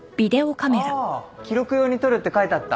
ああ記録用に撮るって書いてあった。